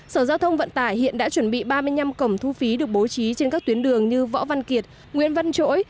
sở giao thông vận tải hiện đã chuẩn bị ba mươi năm cổng thu phí được bố trí trên các tuyến đường như võ văn kiệt nguyễn văn chỗi